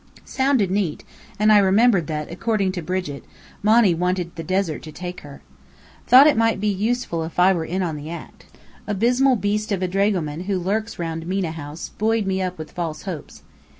Sounded neat; and I remembered that, according to Brigit, Monny wanted the "desert to take her." Thought it might be useful if I were on in that act. Abyssmal beast of a dragoman who lurks round Mena House buoyed me up with false hopes.